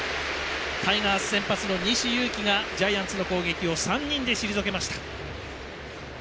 タイガース先発の西勇輝がジャイアンツの攻撃を３人で退けました。